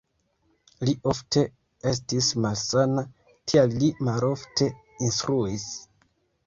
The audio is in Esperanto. Li ofte estis malsana, tial li malofte instruis.